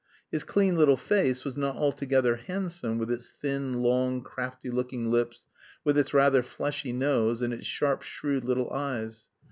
His clean little face was not altogether handsome with its thin, long, crafty looking lips, with its rather fleshy nose, and its sharp, shrewd little eyes.